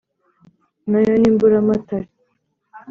Na yo ni Mburamatare